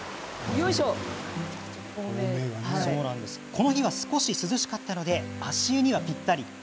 この日は少し涼しかったので足湯には、ぴったり。